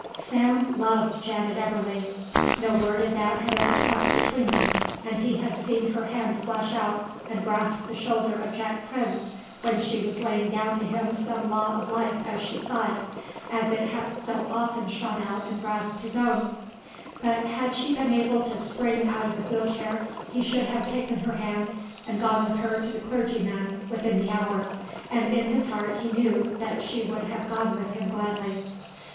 Sam loved Janet Eberly. No word of that had ever passed between them and he had seen her hand flash out and grasp the shoulder of Jack Prince when she was laying down to him some law of life as she saw it, as it had so often shot out and grasped his own, but had she been able to spring out of the wheel chair he should have taken her hand and gone with her to the clergyman within the hour and in his heart he knew that she would have gone with him gladly.